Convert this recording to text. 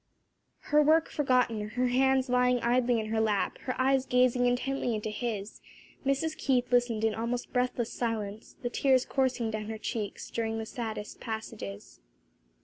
Her work forgotten, her hands lying idly in her lap, her eyes gazing intently into his, Mrs. Keith listened in almost breathless silence, the tears coursing down her cheeks during the saddest passages.